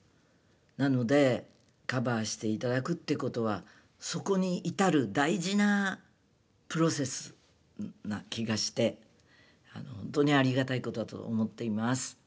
なのでカバーして頂くってことはそこに至る大事なプロセスな気がしてほんとにありがたいことだと思っています。